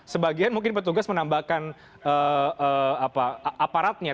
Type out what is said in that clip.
sebagian mungkin petugas menambahkan aparatnya